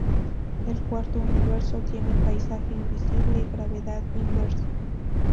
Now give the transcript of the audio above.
El cuarto universo, tiene paisaje invisible y gravedad inversa.